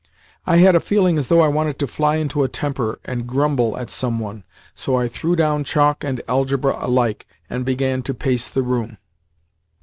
I had a feeling as though I wanted to fly into a temper and grumble at some one, so I threw down chalk and "Algebra" alike, and began to pace the room.